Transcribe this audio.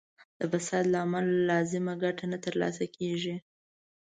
د فساد له امله لازمه ګټه نه تر لاسه کیږي.